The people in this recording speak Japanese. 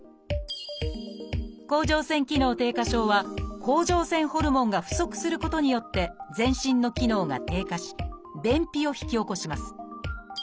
「甲状腺機能低下症」は甲状腺ホルモンが不足することによって全身の機能が低下し便秘を引き起こします。